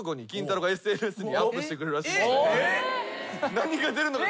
何が出るのか？